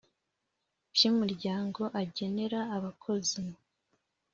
By umuryango agenera abakozi